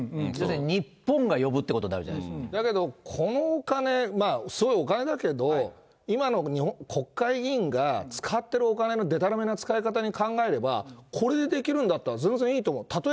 日本が呼ぶということになるじゃだけどこのお金、すごいお金だけど、今の国会議員が使ってるお金のでたらめな使い方で考えれば、これでできるんだったら、全然いいと思う。